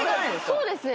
そうですね。